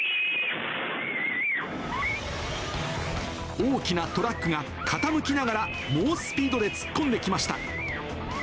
大きなトラックが傾きながら猛スピードで突っ込んできました。